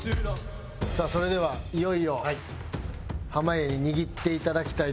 さあそれではいよいよ濱家に握っていただきたいと思います。